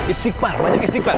istighfar banyak istighfar